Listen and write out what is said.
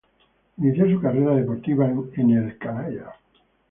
Inició su carrera deportiva en el "canalla".